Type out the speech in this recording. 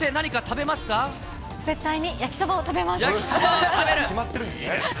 絶対に焼きそばを食べます。